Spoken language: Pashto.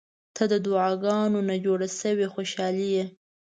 • ته د دعاګانو نه جوړه شوې خوشالي یې.